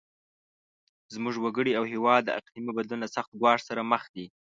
زموږ وګړي او هیواد د اقلیمي بدلون له سخت ګواښ سره مخ دي.